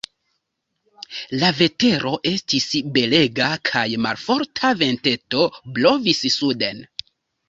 La vetero estis belega kaj malforta venteto blovis suden.